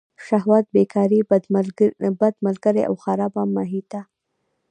شهوت، بېکاري، بد ملګري او خرابه محیطه.